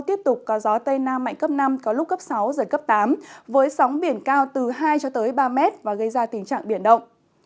tiếp tục có gió tây nam mạnh cấp năm có lúc cấp sáu giật cấp tám với sóng biển cao từ hai cho tới ba mét và gây ra tình trạng biển động